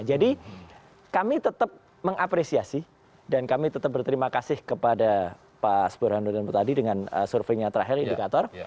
jadi kami tetap mengapresiasi dan kami tetap berterima kasih kepada pak burhanuddin mu tadi dengan surveinya terakhir indikator